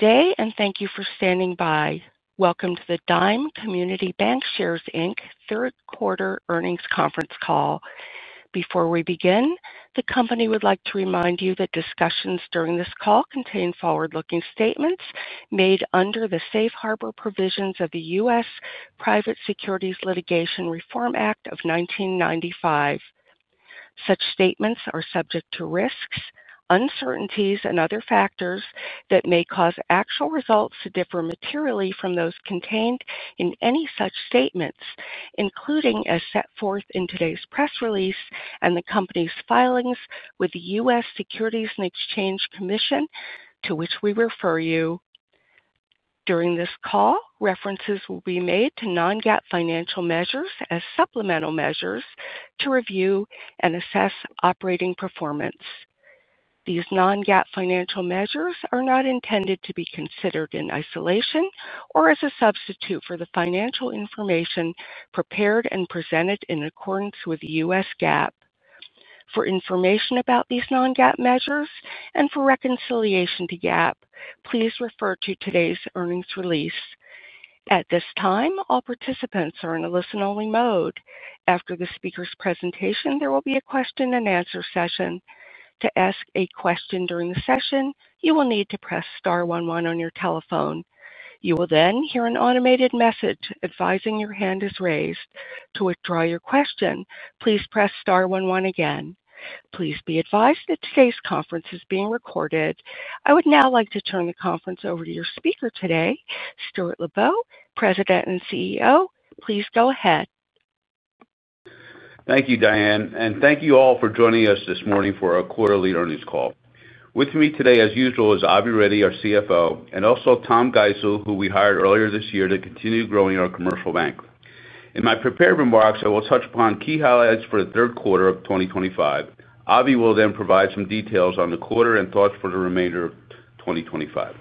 Today, and thank you for standing by. Welcome to the Dime Community Bancshares Inc. third quarter earnings conference call. Before we begin, the company would like to remind you that discussions during this call contain forward-looking statements made under the Safe Harbor provisions of the U.S. Private Securities Litigation Reform Act of 1995. Such statements are subject to risks, uncertainties, and other factors that may cause actual results to differ materially from those contained in any such statements, including as set forth in today's press release and the company's filings with the U.S. Securities and Exchange Commission, to which we refer you. During this call, references will be made to non-GAAP financial measures as supplemental measures to review and assess operating performance. These non-GAAP financial measures are not intended to be considered in isolation or as a substitute for the financial information prepared and presented in accordance with U.S. GAAP. For information about these non-GAAP measures and for reconciliation to GAAP, please refer to today's earnings release. At this time, all participants are in a listen-only mode. After the speaker's presentation, there will be a question and answer session. To ask a question during the session, you will need to press star 11 on your telephone. You will then hear an automated message advising your hand is raised. To withdraw your question, please press star one one again. Please be advised that today's conference is being recorded. I would now like to turn the conference over to your speaker today, Stuart Lubow, President and CEO. Please go ahead. Thank you, Diane, and thank you all for joining us this morning for our quarterly earnings call. With me today, as usual, is Avi Reddy, our CFO, and also Tom Geisel, who we hired earlier this year to continue growing our commercial bank. In my prepared remarks, I will touch upon key highlights for the third quarter of 2025. Avi will then provide some details on the quarter and thoughts for the remainder of 2025.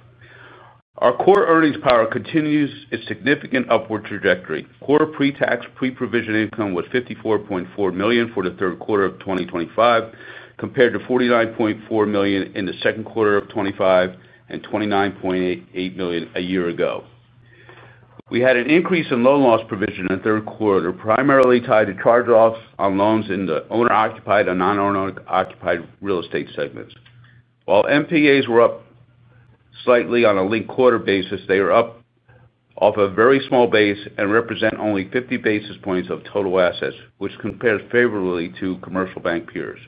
Our core earnings power continues its significant upward trajectory. Quarter pre-tax, pre-provision income was $54.4 million for the third quarter of 2025, compared to $49.4 million in the second quarter of 2025 and $29.8 million a year ago. We had an increase in loan loss provision in the third quarter, primarily tied to charge-offs on loans in the owner-occupied and non-owner-occupied commercial real estate segments. While NPAs were up slightly on a linked quarter basis, they are up off a very small base and represent only 50 basis points of total assets, which compares favorably to commercial bank peers.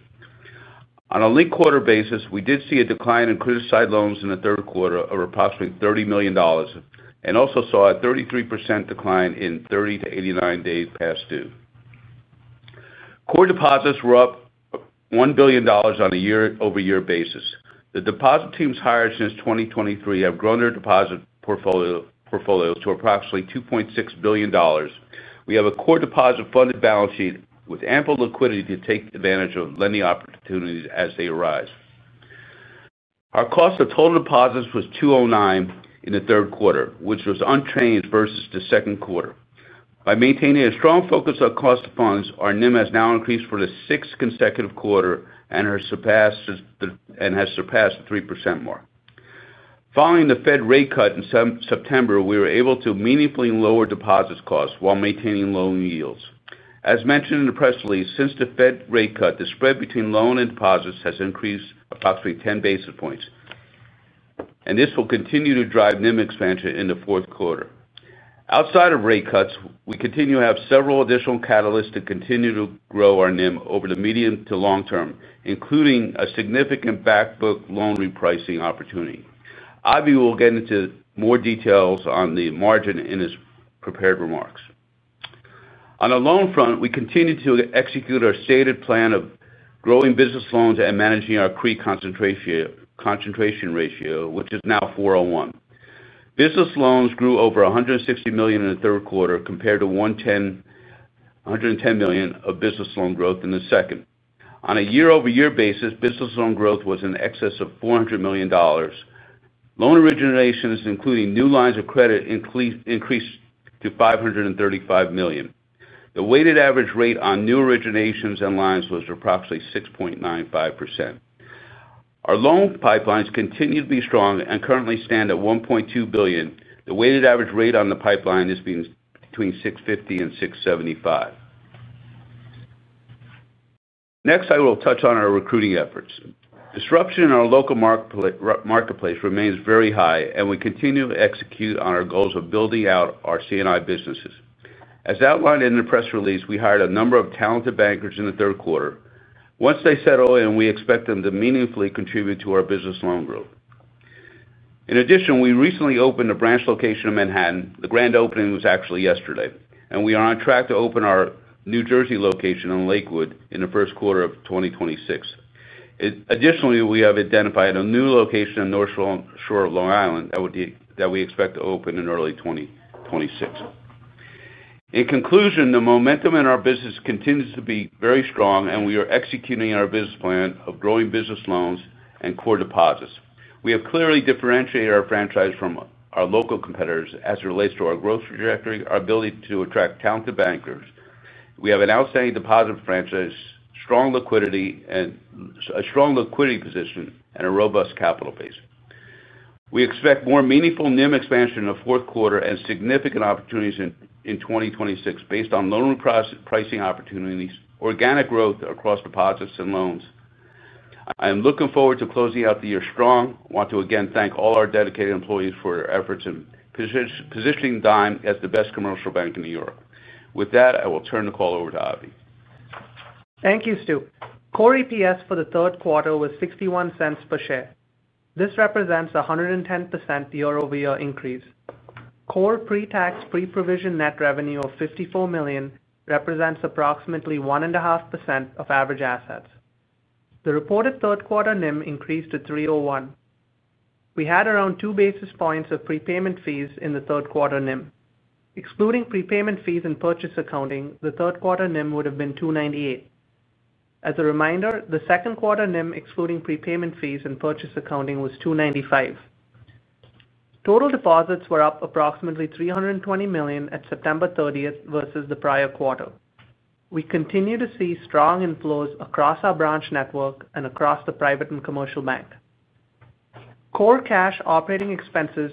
On a linked quarter basis, we did see a decline in credit side loans in the third quarter of approximately $30 million and also saw a 33% decline in 30 to 89 days past due. Core deposits were up $1 billion on a year-over-year basis. The deposit teams hired since 2023 have grown their deposit portfolios to approximately $2.6 billion. We have a core deposit funded balance sheet with ample liquidity to take advantage of lending opportunities as they arise. Our cost of total deposits was 2.09% in the third quarter, which was unchanged versus the second quarter. By maintaining a strong focus on cost of funds, our NIM has now increased for the sixth consecutive quarter and has surpassed 3% more. Following the Fed rate cut in September, we were able to meaningfully lower deposits costs while maintaining loan yields. As mentioned in the press release, since the Fed rate cut, the spread between loan and deposits has increased approximately 10 basis points, and this will continue to drive NIM expansion in the fourth quarter. Outside of rate cuts, we continue to have several additional catalysts to continue to grow our NIM over the medium to long term, including a significant backbook loan repricing opportunity. Avi will get into more details on the margin in his prepared remarks. On the loan front, we continue to execute our stated plan of growing business loans and managing our CRE concentration ratio, which is now 401. Business loans grew over $160 million in the third quarter, compared to $110 million of business loan growth in the second. On a year-over-year basis, business loan growth was in excess of $400 million. Loan originations, including new lines of credit, increased to $535 million. The weighted average rate on new originations and lines was approximately 6.95%. Our loan pipelines continue to be strong and currently stand at $1.2 billion. The weighted average rate on the pipeline is between 6.50% and 6.75%. Next, I will touch on our recruiting efforts. Disruption in our local marketplace remains very high, and we continue to execute on our goals of building out our CNI businesses. As outlined in the press release, we hired a number of talented bankers in the third quarter. Once they settle, we expect them to meaningfully contribute to our business loan growth. In addition, we recently opened a branch location in Manhattan. The grand opening was actually yesterday, and we are on track to open our New Jersey location in Lakewood in the first quarter of 2026. Additionally, we have identified a new location on the North Shore of Long Island that we expect to open in early 2026. In conclusion, the momentum in our business continues to be very strong, and we are executing on our business plan of growing business loans and core deposits. We have clearly differentiated our franchise from our local competitors as it relates to our growth trajectory, our ability to attract talented bankers. We have an outstanding deposit franchise, strong liquidity position, and a robust capital base. We expect more meaningful NIM expansion in the fourth quarter and significant opportunities in 2026 based on loan repricing opportunities, organic growth across deposits and loans. I am looking forward to closing out the year strong. I want to again thank all our dedicated employees for their efforts in positioning Dime as the best commercial bank in New York. With that, I will turn the call over to Avi. Thank you, Stu. Core EPS for the third quarter was $0.61 per share. This represents a 110% year-over-year increase. Core pre-tax, pre-provision net revenue of $54 million represents approximately 1.5% of average assets. The reported third quarter NIM increased to 3.01%. We had around two basis points of prepayment fees in the third quarter NIM. Excluding prepayment fees and purchase accounting, the third quarter NIM would have been 2.98%. As a reminder, the second quarter NIM, excluding prepayment fees and purchase accounting, was 2.95%. Total deposits were up approximately $320 million at September 30 versus the prior quarter. We continue to see strong inflows across our branch network and across the private and commercial bank. Core cash operating expenses,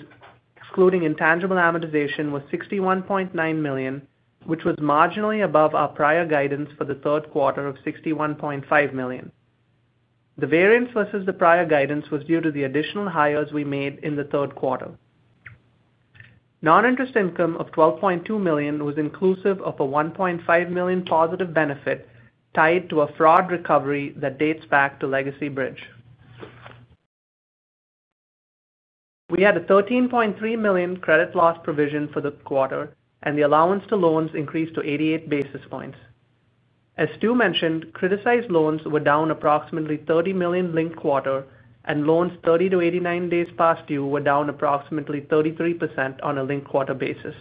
excluding intangible amortization, were $61.9 million, which was marginally above our prior guidance for the third quarter of $61.5 million. The variance versus the prior guidance was due to the additional hires we made in the third quarter. Non-interest income of $12.2 million was inclusive of a $1.5 million positive benefit tied to a fraud recovery that dates back to Legacy Bridge. We had a $13.3 million credit loss provision for the quarter, and the allowance to loans increased to 88 basis points. As Stu mentioned, criticized loans were down approximately $30 million linked quarter, and loans 30 to 89 days past due were down approximately 33% on a linked quarter basis.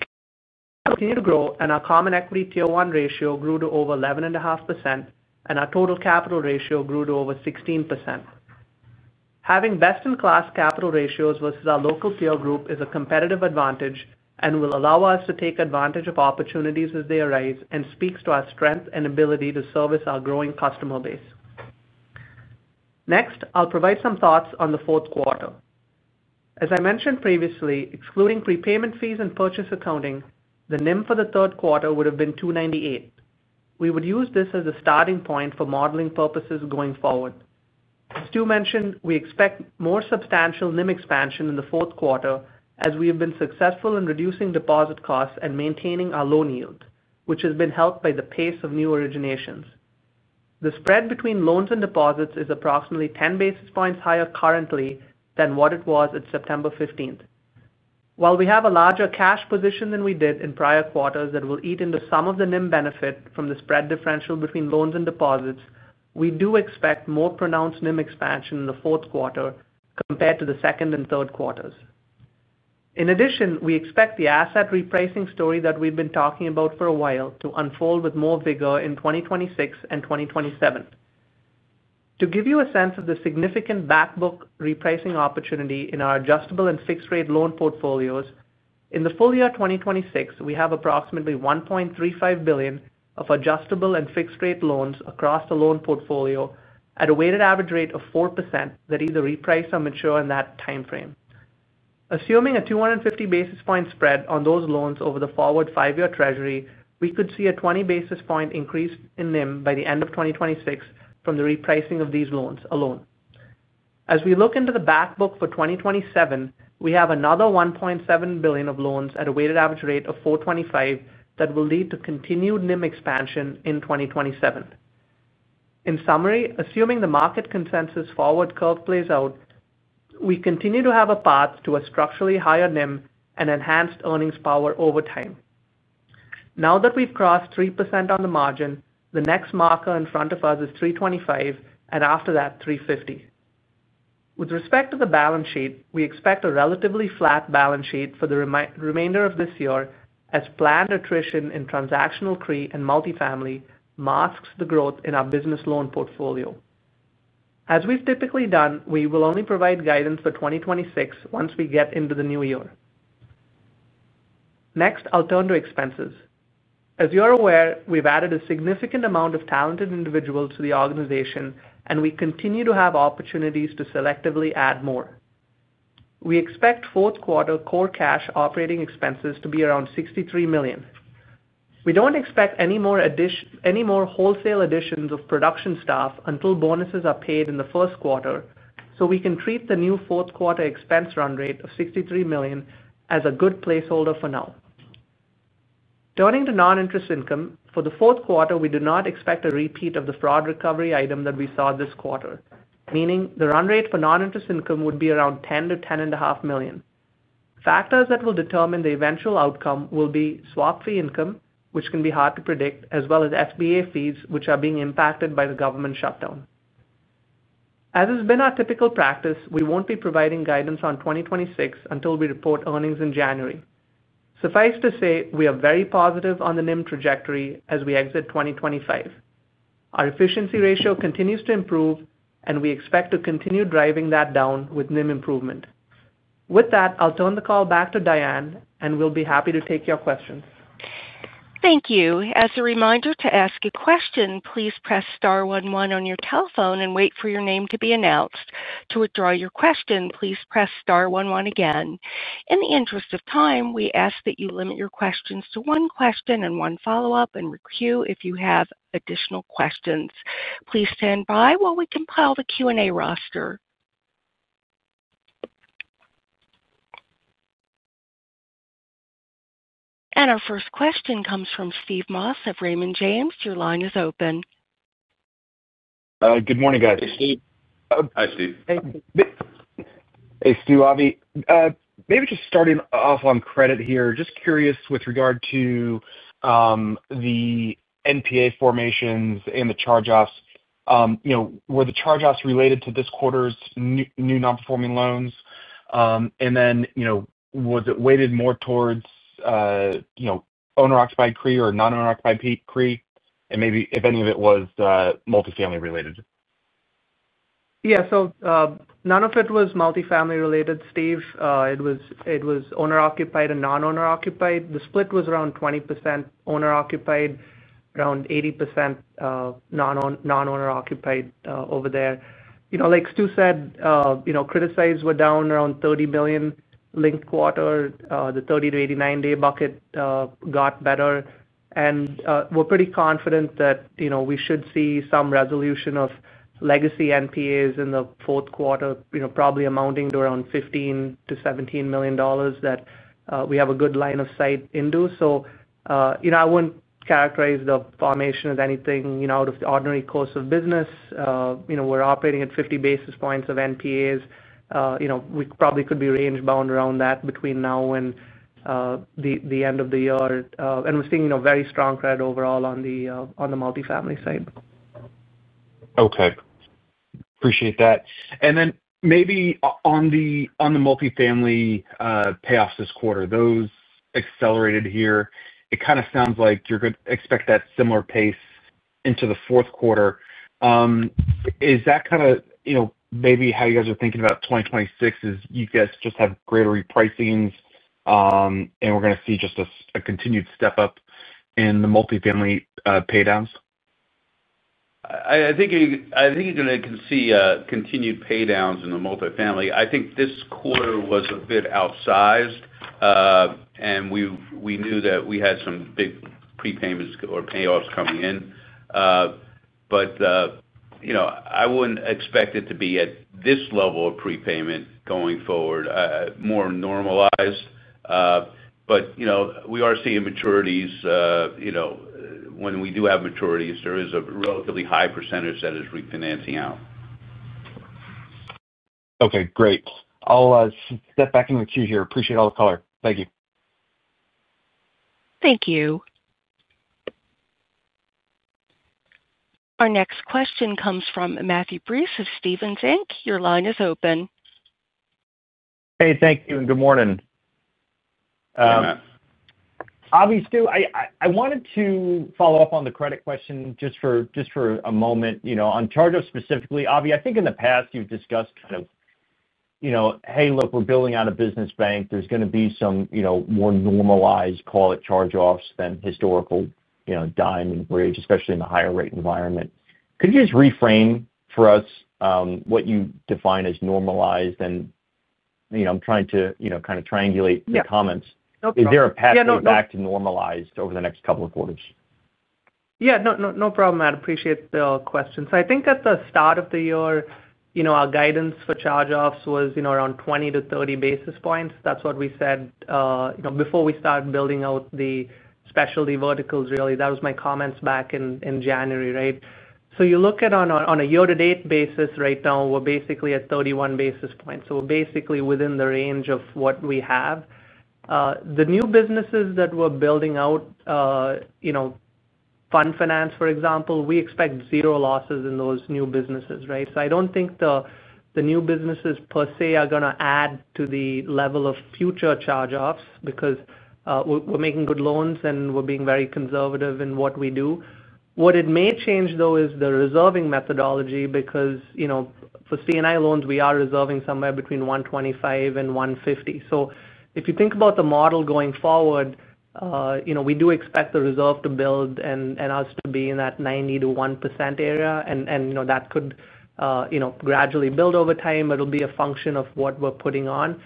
We continue to grow, and our common equity tier 1 ratio grew to over 11.5%, and our total capital ratio grew to over 16%. Having best-in-class capital ratios versus our local peer group is a competitive advantage and will allow us to take advantage of opportunities as they arise and speaks to our strength and ability to service our growing customer base. Next, I'll provide some thoughts on the fourth quarter. As I mentioned previously, excluding prepayment fees and purchase accounting, the NIM for the third quarter would have been 2.98%. We would use this as a starting point for modeling purposes going forward. As Stu mentioned, we expect more substantial NIM expansion in the fourth quarter as we have been successful in reducing deposit costs and maintaining our loan yield, which has been helped by the pace of new originations. The spread between loans and deposits is approximately 10 basis points higher currently than what it was at September 15. While we have a larger cash position than we did in prior quarters that will eat into some of the NIM benefit from the spread differential between loans and deposits, we do expect more pronounced NIM expansion in the fourth quarter compared to the second and third quarters. In addition, we expect the asset repricing story that we've been talking about for a while to unfold with more vigor in 2026 and 2027. To give you a sense of the significant backbook repricing opportunity in our adjustable and fixed-rate loan portfolios, in the full year 2026, we have approximately $1.35 billion of adjustable and fixed-rate loans across the loan portfolio at a weighted average rate of 4% that either reprice or mature in that timeframe. Assuming a 250 basis point spread on those loans over the forward five-year Treasury, we could see a 20 basis point increase in NIM by the end of 2026 from the repricing of these loans alone. As we look into the backbook for 2027, we have another $1.7 billion of loans at a weighted average rate of 4.25% that will lead to continued NIM expansion in 2027. In summary, assuming the market consensus forward curve plays out, we continue to have a path to a structurally higher NIM and enhanced earnings power over time. Now that we've crossed 3% on the margin, the next marker in front of us is 3.25%, and after that, 3.50%. With respect to the balance sheet, we expect a relatively flat balance sheet for the remainder of this year as planned attrition in transactional CRE and multifamily masks the growth in our business loan portfolio. As we've typically done, we will only provide guidance for 2026 once we get into the new year. Next, I'll turn to expenses. As you're aware, we've added a significant amount of talented individuals to the organization, and we continue to have opportunities to selectively add more. We expect fourth quarter core cash operating expenses to be around $63 million. We don't expect any more wholesale additions of production staff until bonuses are paid in the first quarter, so we can treat the new fourth quarter expense run rate of $63 million as a good placeholder for now. Turning to non-interest income, for the fourth quarter, we do not expect a repeat of the fraud recovery item that we saw this quarter, meaning the run rate for non-interest income would be around $10 million-$10.5 million. Factors that will determine the eventual outcome will be swap fee income, which can be hard to predict, as well as SBA fees, which are being impacted by the government shutdown. As has been our typical practice, we won't be providing guidance on 2026 until we report earnings in January. Suffice to say, we are very positive on the NIM trajectory as we exit 2025. Our efficiency ratio continues to improve, and we expect to continue driving that down with NIM improvement. With that, I'll turn the call back to Diane, and we'll be happy to take your questions. Thank you. As a reminder, to ask a question, please press star one one on your telephone and wait for your name to be announced. To withdraw your question, please press star one one again. In the interest of time, we ask that you limit your questions to one question and one follow-up and re-queue if you have additional questions. Please stand by while we compile the Q&A roster. Our first question comes from Steve Moss of Raymond James. Your line is open. Good morning, guys. Hey, Steve. Hi, Steve. Hey, Steve. Hey, Steve. Avi, maybe just starting off on credit here, just curious with regard to the NPA formations and the charge-offs. Were the charge-offs related to this quarter's new non-performing loans? Was it weighted more towards owner-occupied CRE or non-owner-occupied CRE? Maybe if any of it was multifamily related. Yeah. None of it was multifamily related, Steve. It was owner-occupied and non-owner-occupied. The split was around 20% owner-occupied, around 80% non-owner-occupied over there. Like Stu said, credit size was down around $30 million linked quarter. The 30-89 day bucket got better. We're pretty confident that we should see some resolution of legacy NPAs in the fourth quarter, probably amounting to around $15 million-$17 million that we have a good line of sight into. I wouldn't characterize the formation as anything out of the ordinary course of business. We're operating at 50 basis points of NPAs. We probably could be range-bound around that between now and the end of the year. We're seeing very strong credit overall on the multifamily side. Okay. Appreciate that. Maybe on the multifamily payoffs this quarter, those accelerated here. It kind of sounds like you're going to expect that similar pace into the fourth quarter. Is that kind of, you know, maybe how you guys are thinking about 2026 as you guys just have greater repricings, and we're going to see just a continued step up in the multifamily paydowns? I think you're going to see continued paydowns in the multifamily. I think this quarter was a bit outsized, and we knew that we had some big prepayments or payoffs coming in. I wouldn't expect it to be at this level of prepayment going forward, more normalized. We are seeing maturities. When we do have maturities, there is a relatively high percentage that is refinancing out. Okay. Great. I'll step back and re-queue here. Appreciate all the color. Thank you. Thank you. Our next question comes from Matthew Breese of Stephens Inc. Your line is open. Hey, thank you, and good morning. Hey, Matt. Avi, Steve, I wanted to follow up on the credit question just for a moment. On charge-offs specifically, Avi, I think in the past you've discussed, hey, look, we're building out a business bank. There's going to be some more normalized, call it charge-offs, than historical Dime and Bridge, especially in the higher rate environment. Could you just reframe for us what you define as normalized? I'm trying to triangulate the comments. Is there a path to go back to normalized over the next couple of quarters? Yeah. No problem, Matt. Appreciate the question. I think at the start of the year, our guidance for charge-offs was around 20 basis points-30 basis points. That's what we said before we started building out the specialty verticals, really. That was my comments back in January, right? You look at on a year-to-date basis right now, we're basically at 31 basis points. We're basically within the range of what we have. The new businesses that we're building out, Fund Finance, for example, we expect zero losses in those new businesses, right? I don't think the new businesses, per se, are going to add to the level of future charge-offs because we're making good loans and we're being very conservative in what we do. What it may change, though, is the reserving methodology because, for CNI loans, we are reserving somewhere between 125 and 150. If you think about the model going forward, we do expect the reserve to build and us to be in that 90 to 1% area. That could gradually build over time. It'll be a function of what we're putting on.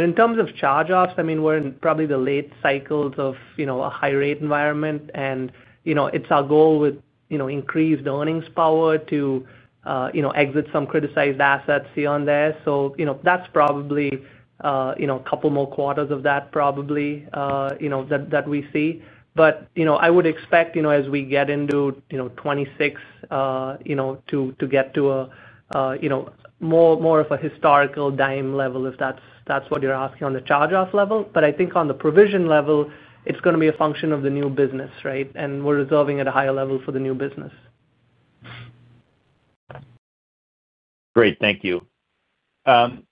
In terms of charge-offs, I mean, we're in probably the late cycles of a high-rate environment. It's our goal with increased earnings power to exit some creditized assets here and there. That's probably a couple more quarters of that, probably, that we see. I would expect, as we get into 2026, to get to a more of a historical Dime level if that's what you're asking on the charge-off level. I think on the provision level, it's going to be a function of the new business, right? We're reserving at a higher level for the new business. Great. Thank you. Going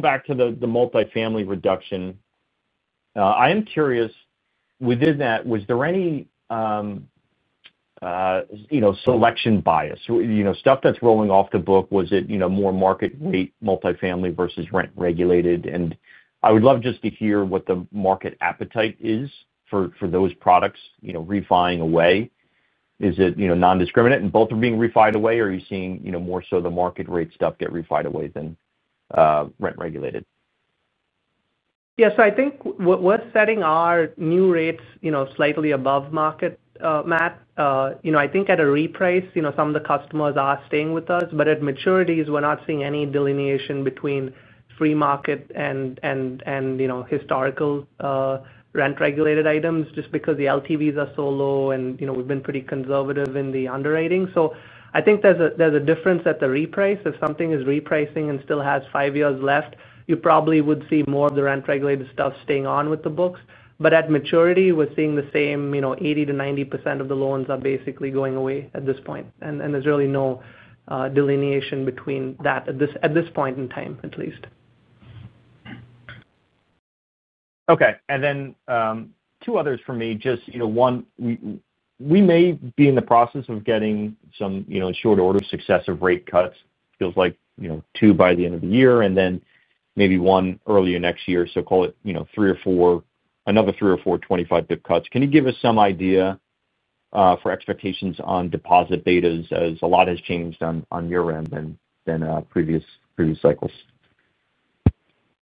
back to the multifamily reduction, I am curious, within that, was there any selection bias? Stuff that's rolling off the book, was it more market rate multifamily versus rent-regulated? I would love just to hear what the market appetite is for those products, refining away. Is it non-discriminate and both are being refined away? Or are you seeing more so the market rate stuff get refined away than rent-regulated? Yeah. I think what we're setting are new rates, you know, slightly above market, Matt. I think at a reprice, some of the customers are staying with us. At maturities, we're not seeing any delineation between free market and, you know, historical rent-regulated items just because the LTVs are so low and we've been pretty conservative in the underwriting. I think there's a difference at the reprice. If something is repricing and still has five years left, you probably would see more of the rent-regulated stuff staying on with the books. At maturity, we're seeing the same, you know, 80%-90% of the loans are basically going away at this point. There's really no delineation between that at this point in time, at least. Okay. Two others for me, just, you know, one, we may be in the process of getting some, you know, in short order successive rate cuts. Feels like, you know, two by the end of the year and then maybe one earlier next year. Call it, you know, three or four, another three or four 25% cuts. Can you give us some idea for expectations on deposit betas as a lot has changed on your end than previous cycles?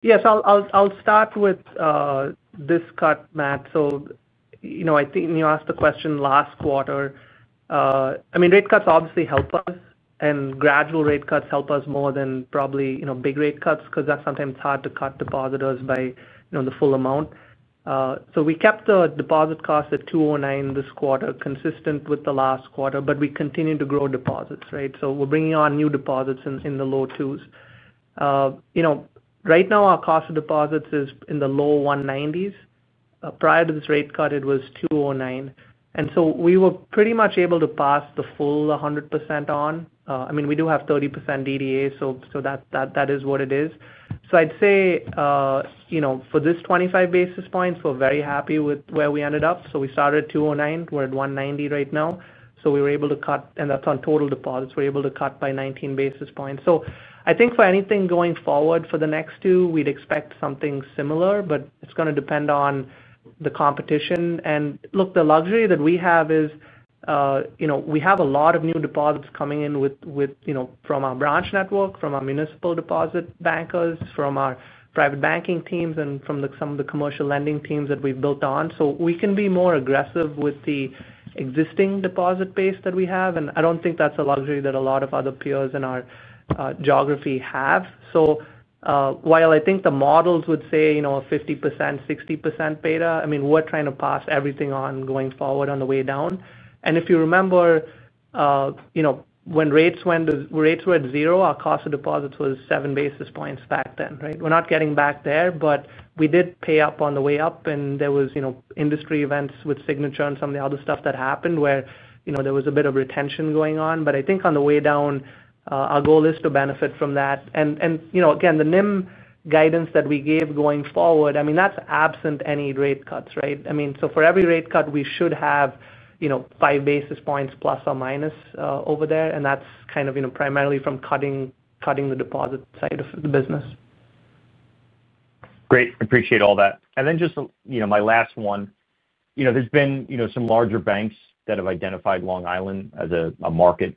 Yes. I'll start with this cut, Matt. I think you asked the question last quarter. Rate cuts obviously help us, and gradual rate cuts help us more than probably big rate cuts because that's sometimes hard to cut depositors by the full amount. We kept the deposit cost at 209 this quarter, consistent with the last quarter, but we continued to grow deposits, right? We're bringing on new deposits in the low 2s. Right now, our cost of deposits is in the low 190s. Prior to this rate cut, it was 209. We were pretty much able to pass the full 100% on. We do have 30% DDA, so that is what it is. I'd say for this 25 basis points, we're very happy with where we ended up. We started at 209. We're at 190 right now. We were able to cut, and that's on total deposits. We're able to cut by 19 basis points. I think for anything going forward for the next two, we'd expect something similar, but it's going to depend on the competition. The luxury that we have is we have a lot of new deposits coming in from our branch network, from our municipal deposit bankers, from our private banking teams, and from some of the commercial lending teams that we've built on. We can be more aggressive with the existing deposit base that we have. I don't think that's a luxury that a lot of other peers in our geography have. While I think the models would say a 50%, 60% beta, we're trying to pass everything on going forward on the way down. If you remember, when rates were at zero, our cost of deposits was seven basis points back then, right? We're not getting back there, but we did pay up on the way up. There were industry events with Signature and some of the other stuff that happened where there was a bit of retention going on. I think on the way down, our goal is to benefit from that. Again, the NIM guidance that we gave going forward, that's absent any rate cuts, right? For every rate cut, we should have five basis points plus or minus over there. That's kind of primarily from cutting the deposit side of the business. Great. I appreciate all that. Just, you know, my last one. There have been some larger banks that have identified Long Island as a market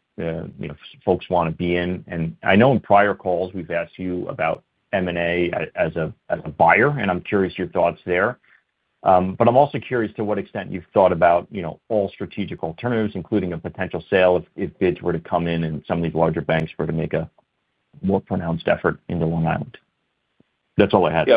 folks want to be in. I know in prior calls, we've asked you about M&A as a buyer, and I'm curious your thoughts there. I'm also curious to what extent you've thought about all strategic alternatives, including a potential sale if bids were to come in and some of these larger banks were to make a more pronounced effort into Long Island. That's all I had.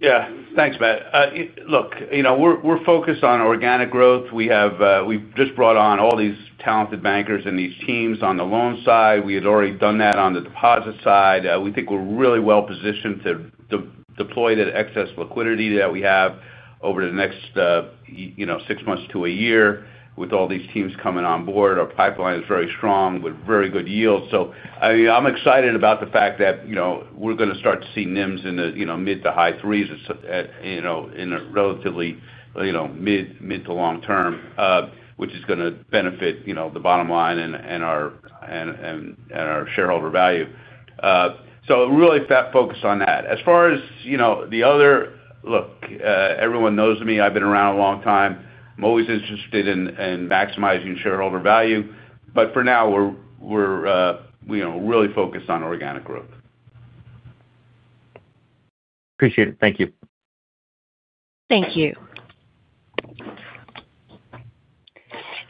Yeah. Thanks, Matt. Look, you know, we're focused on organic growth. We've just brought on all these talented bankers and these teams on the loan side. We had already done that on the deposit side. We think we're really well positioned to deploy that excess liquidity that we have over the next, you know, six months to a year with all these teams coming on board. Our pipeline is very strong with very good yields. I'm excited about the fact that, you know, we're going to start to see NIMs in the mid to high threes, you know, in a relatively, you know, mid to long term, which is going to benefit the bottom line and our shareholder value. Really focused on that. As far as the other, look, everyone knows me. I've been around a long time. I'm always interested in maximizing shareholder value. For now, we're really focused on organic growth. Appreciate it. Thank you. Thank you.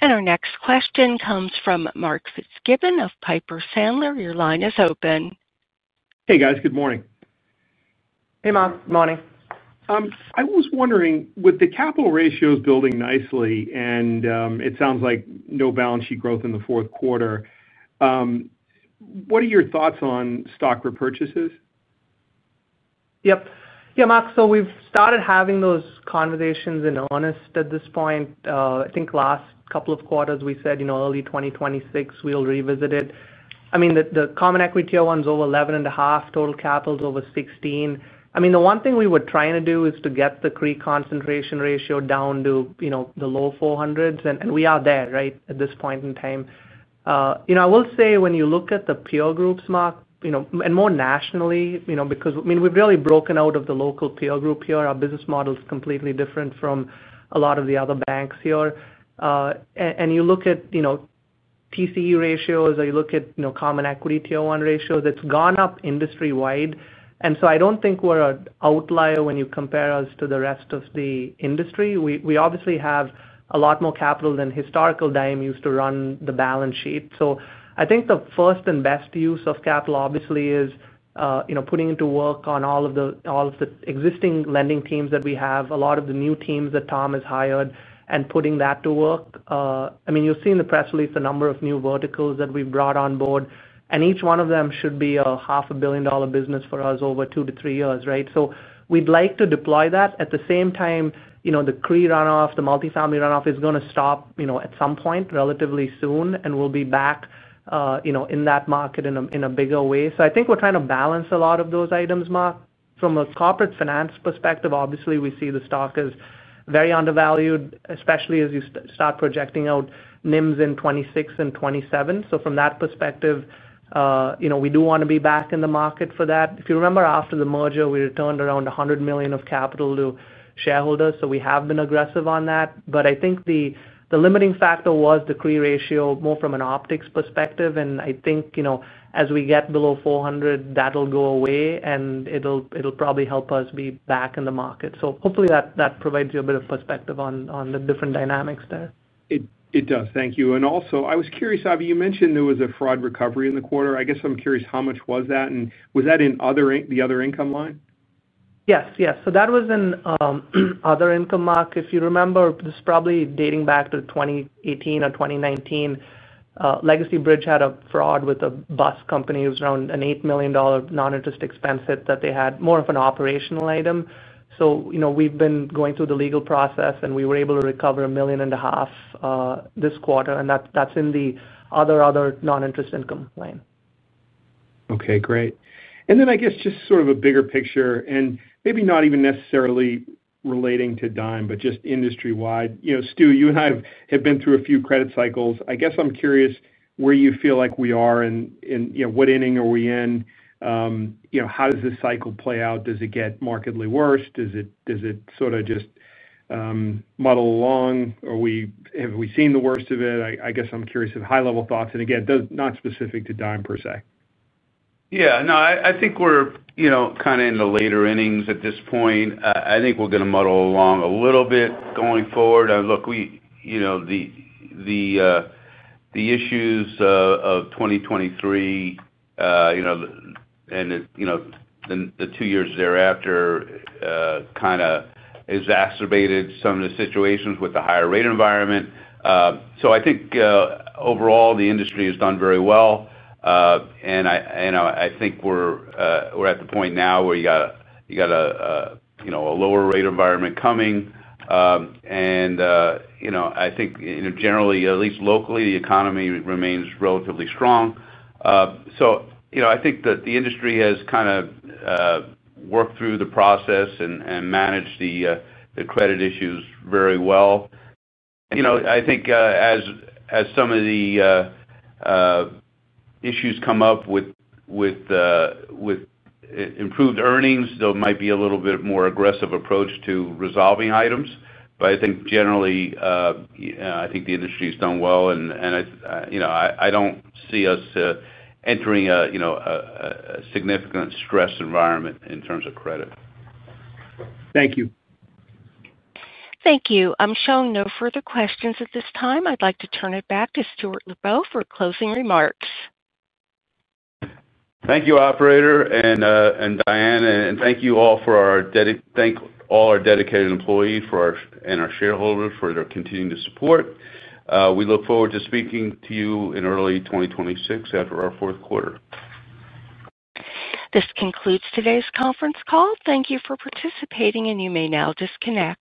Our next question comes from Mark Fitzgibbon of Piper Sandler. Your line is open. Hey, guys. Good morning. Hey, Mark. Good morning. I was wondering, with the capital ratios building nicely and it sounds like no balance sheet growth in the fourth quarter, what are your thoughts on stock repurchases? Yep. Yeah, Mark. We've started having those conversations in earnest at this point. I think last couple of quarters we said, you know, early 2026, we'll revisit it. I mean, the common equity tier 1's over 11.5%. Total capital's over 16%. The one thing we were trying to do is to get the CRE concentration ratio down to, you know, the low 400s. We are there, right, at this point in time. I will say when you look at the peer groups, Mark, and more nationally, because we've really broken out of the local peer group here. Our business model is completely different from a lot of the other banks here. You look at, you know, PCE ratios or you look at, you know, common equity tier 1 ratios, it's gone up industry-wide. I don't think we're an outlier when you compare us to the rest of the industry. We obviously have a lot more capital than historical Dime used to run the balance sheet. I think the first and best use of capital, obviously, is putting it to work on all of the existing lending teams that we have, a lot of the new teams that Tom has hired, and putting that to work. You've seen the press release, the number of new verticals that we've brought on board. Each one of them should be a half a billion dollar business for us over two to three years, right? We'd like to deploy that. At the same time, the CRE runoff, the multifamily runoff is going to stop at some point relatively soon. We'll be back in that market in a bigger way. I think we're trying to balance a lot of those items, Mark. From a corporate finance perspective, we see the stock is very undervalued, especially as you start projecting out NIMs in 2026 and 2027. From that perspective, we do want to be back in the market for that. If you remember, after the merger, we returned around $100 million of capital to shareholders. We have been aggressive on that. I think the limiting factor was the CRE ratio, more from an optics perspective. As we get below 400, that'll go away. It'll probably help us be back in the market. Hopefully, that provides you a bit of perspective on the different dynamics there. It does. Thank you. I was curious, Avi, you mentioned there was a fraud recovery in the quarter. I'm curious how much was that. Was that in the other income line? Yes. Yes. That was in other income, Mark. If you remember, this is probably dating back to 2018 or 2019. Legacy Bridge had a fraud with a bus company. It was around an $8 million non-interest expense hit that they had, more of an operational item. We've been going through the legal process, and we were able to recover $1.5 million this quarter. That's in the other non-interest income line. Okay. Great. I guess just sort of a bigger picture, and maybe not even necessarily relating to Dime, but just industry-wide, you know, Stu, you and I have been through a few credit cycles. I guess I'm curious where you feel like we are and what inning are we in? You know, how does this cycle play out? Does it get markedly worse? Does it sort of just muddle along? Or have we seen the worst of it? I guess I'm curious of high-level thoughts. Again, not specific to Dime per se. I think we're kind of in the later innings at this point. I think we're going to muddle along a little bit going forward. Look, the issues of 2023 and the two years thereafter kind of exacerbated some of the situations with the higher rate environment. I think overall, the industry has done very well. I think we're at the point now where you have a lower rate environment coming. I think generally, at least locally, the economy remains relatively strong. I think that the industry has kind of worked through the process and managed the credit issues very well. As some of the issues come up with improved earnings, there might be a little bit more aggressive approach to resolving items. I think generally, the industry has done well. I don't see us entering a significant stress environment in terms of credit. Thank you. Thank you. I'm showing no further questions at this time. I'd like to turn it back to Stuart Lubow for closing remarks. Thank you, operator and Diane. Thank you all for our dedicated employees and our shareholders for their continuing to support. We look forward to speaking to you in early 2026 after our fourth quarter. This concludes today's conference call. Thank you for participating, and you may now disconnect.